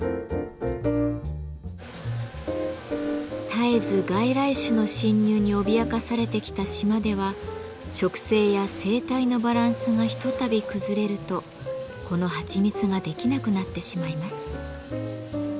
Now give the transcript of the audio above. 絶えず外来種の侵入に脅かされてきた島では植生や生態のバランスがひとたび崩れるとこのはちみつができなくなってしまいます。